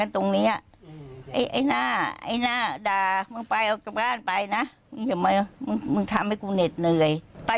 ตีตีกับหัวก็ควายด่าลูกอาเตอร์ตีลูกอ่ะ